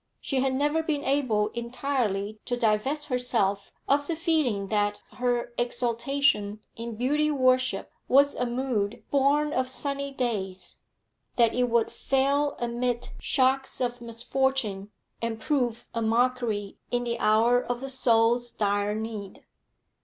She had never been able entirely to divest herself of the feeling that her exaltation in beauty worship was a mood born of sunny days, that it would fail amid shocks of misfortune and prove a mockery in the hour of the soul's dire need.